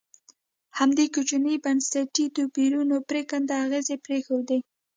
همدې کوچنیو بنسټي توپیرونو پرېکنده اغېزې پرېښودې.